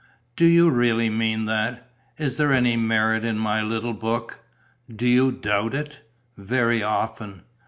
"Do you really mean that? Is there any merit in my little book?" "Do you doubt it?" "Very often."